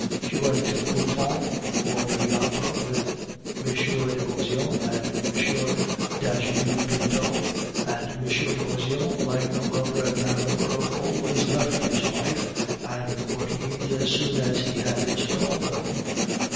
She went to the Bouffons or to the Opera with M. de Beauseant and M. d'Ajuda Pinto; and M. de Beauseant, like a well bred man of the world, always left his wife and the Portuguese as soon as he had installed them.